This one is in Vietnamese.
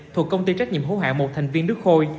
thuộc công ty trách nhiệm hỗ hạng một thành viên nước khôi